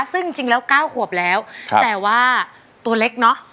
ซึ่งจริงแล้ว๙ขวบแล้วแต่ว่าตัวเล็กเนอะ